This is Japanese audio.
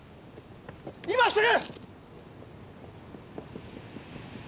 今すぐ！